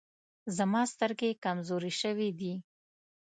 زما سترګي کمزوري سوي دی.